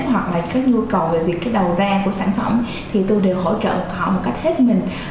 hoặc là cái nhu cầu về việc cái đầu ra của sản phẩm thì tôi đều hỗ trợ họ một cách hết mình